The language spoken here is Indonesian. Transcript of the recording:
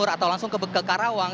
atau langsung ke karawang